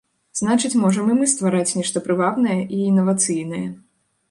Значыць, можам і мы ствараць нешта прывабнае і інавацыйнае.